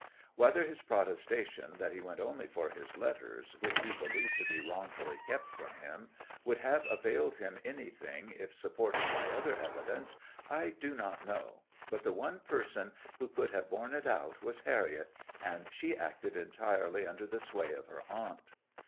Whether his protestation that he went only for his letters, which he believed to be wrongfully kept from him, would have availed him anything if supported by other evidence I do not know; but the one person who could have borne it out was Harriet, and she acted entirely under the sway of her aunt.